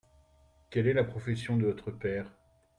Quelle est la profession de votre père ?